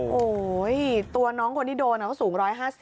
โอ้โหตัวน้องคนที่โดนเขาสูง๑๕๐